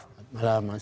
selamat malam mas